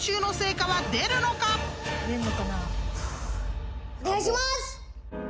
フゥお願いします！